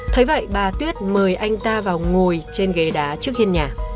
thấy vậy bà tuyết mời anh ta vào ngồi trên ghế đá trước hiên nhà